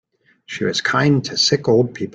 She was kind to sick old people.